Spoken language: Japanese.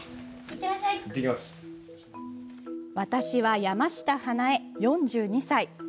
私は山下花恵、４２歳。